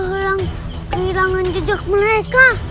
kau bilang kehilangan jejak mereka